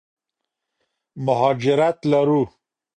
مهاجرت لرو.